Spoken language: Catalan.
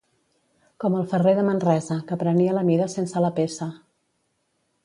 Com el ferrer de Manresa, que prenia la mida sense la peça.